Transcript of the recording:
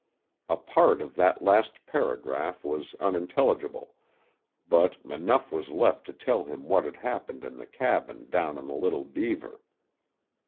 A part of that last paragraph was unintelligible, but enough was left to tell him what had happened in the cabin down on the Little Beaver.